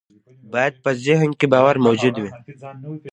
بايد په ذهن کې باور موجود وي.